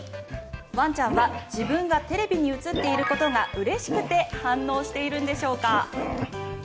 ワンちゃんは自分がテレビに映っていることがうれしくて反応しているんでしょうか。